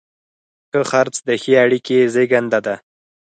ښه خرڅ د ښې اړیکې زیږنده ده.